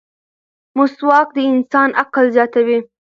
مسواک د انسان عقل زیاتوي.